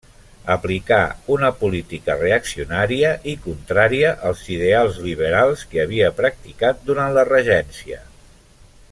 Aplicà una política reaccionària i contrària als ideals liberals que havia practicat durant la Regència.